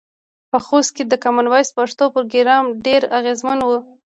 په خوست کې د کامن وایس پښتو پروګرام ډیر اغیزمن و.